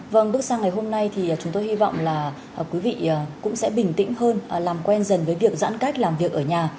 vâng bước sang ngày hôm nay thì chúng tôi hy vọng là quý vị cũng sẽ bình tĩnh hơn làm quen dần với việc giãn cách làm việc ở nhà